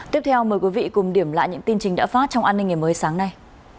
tiếp theo mời quý vị cùng điểm lại những tin trình đã phát trong an ninh ngày mới sáng nay